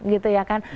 gitu ya kan